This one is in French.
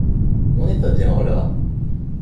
On n’est pas bien, là?